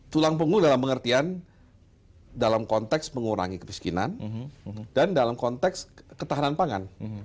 tulang punggung dalam pengertian dalam konteks mengurangi kemiskinan dan dalam konteks ketahanan pangan